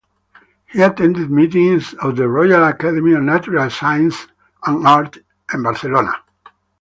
He attended meetings of the Royal Academy of Natural Sciences and Art in Barcelona.